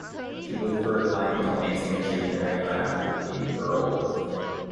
She lived for a time in the Lansing, Michigan area after being paroled.